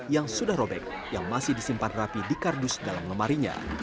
yang sudah robek yang masih disimpan rapi di kardus dalam lemarinya